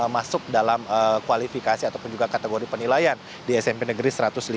masuk dalam kualifikasi ataupun juga kategori penilaian di smp negeri satu ratus lima puluh